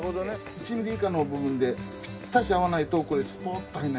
１ミリ以下の部分でピッタシ合わないとこれスポッと入らない。